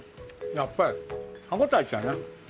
やっぱり歯応え違うね。